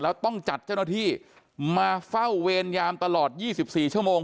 แล้วต้องจัดเจ้าหน้าที่มาเฝ้าเวรยามตลอด๒๔ชั่วโมง